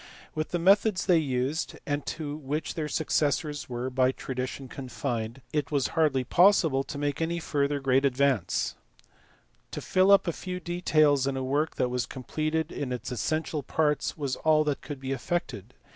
With the methods they used, and to which their successors were by tradition confined, it was hardly possible to make any further great advance : to fill up a few details in a work that was completed in its essential parts was all that could be effected.